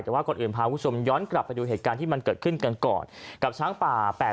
แต่ว่าก่อนอื่นพาคุณผู้ชมย้อนกลับไปดูเหตุการณ์ที่มันเกิดขึ้นกันก่อนกับช้างป่า